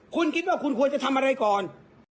คุณคิดว่าคุณควรจะทำอะไรก่อน